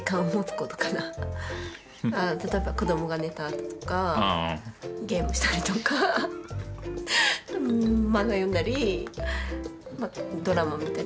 例えば子どもが寝たあととかゲームしたりとか漫画読んだりドラマ見たり。